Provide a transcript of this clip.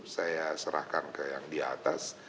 saya serahkan ke yang di atas